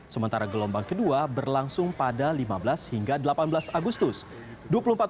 sementara gelombang kedua berlangsung pada lima belas hingga delapan belas agustus